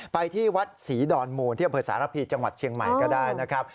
ไปที่วัดศรีดอนมูลที่อำเภอสารพีจังหวัดเชียงใหม่ก็ได้นะครับ